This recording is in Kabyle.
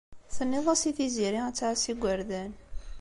Tenniḍ-as i Tiziri ad tɛass igerdan.